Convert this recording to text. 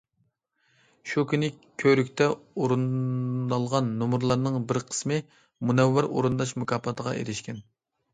شۇ كۈنى كۆرەكتە ئورۇندالغان نومۇرلارنىڭ بىر قىسمى مۇنەۋۋەر ئورۇنداش مۇكاپاتىغا ئېرىشكەن.